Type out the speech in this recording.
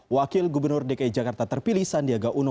wakil gubernur dki jakarta terpilih sandiaga uno